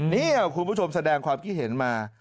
นี่คุณผู้ชมแสดงความคิดเห็นมา